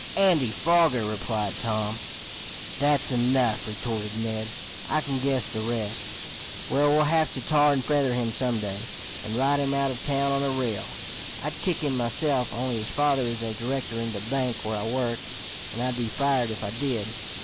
"Andy Foger," replied Tom. "That's enough," retorted Ned. "I can guess the rest. We'll have to tar and feather him some day, and ride him out of town on a rail. I'd kick him myself, only his father is a director in the bank where I work, and I'd be fired if I did.